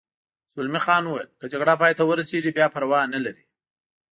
زلمی خان وویل: که جګړه پای ته ورسېږي بیا پروا نه لري.